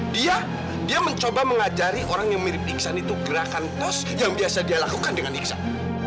dia dia mencoba mengajari orang yang mirip iksan itu gerakan tos yang biasa dia lakukan dengan iksan